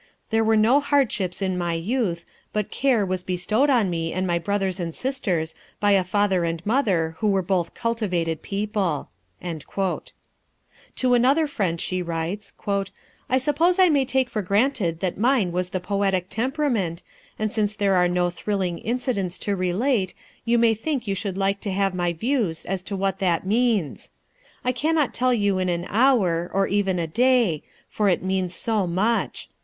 There were no hardships in my youth, but care was bestowed on me and my brothers and sisters by a father and mother who were both cultivated people." To another friend she writes: "I suppose I may take for granted that mine was the poetic temperament, and since there are no thrilling incidents to relate, you may think you should like to have my views as to what that means. I cannot tell you in an hour, or even in a day, for it means so much.